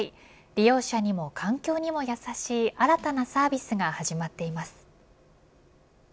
利用者にも環境にもやさしい新たなサービスが始まっています。